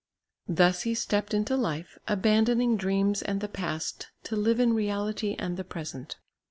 Thus he stepped into life, abandoning dreams and the past to live in reality and the present.